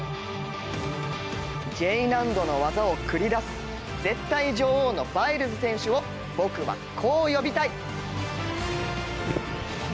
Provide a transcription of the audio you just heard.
Ｊ難度の技を繰り出す絶対女王のバイルズ選手を僕はこう呼びたい。